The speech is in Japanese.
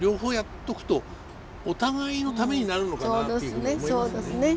とくとお互いのためになるのかなっていうふうに思いますね。